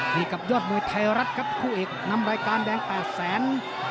นี่กับยอดมวยไทยรัฐครับคู่เอกนำรายการแดง๘แสน